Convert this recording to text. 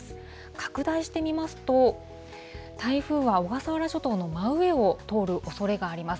拡大して見ますと、台風は小笠原諸島の真上を通るおそれがあります。